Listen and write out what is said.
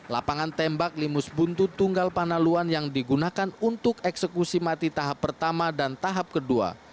lapangan tembak limus buntut tunggal panaluan yang digunakan untuk eksekusi mati tahap pertama dan tahap kedua